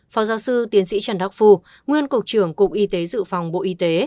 phó giáo sư tiến sĩ trần đắc phu nguyên cục trưởng cục y tế dự phòng bộ y tế